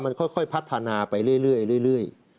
มันค่อยพัฒนาไปเรื่อย